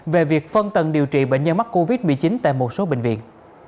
về việc phân tầng điều trị bệnh nhân mắc covid một mươi chín tại một số bệnh viện